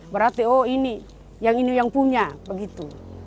berarti oh ini yang ini yang punya begitu